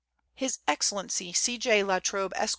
His Excellency C. J. La Trobe, Esq.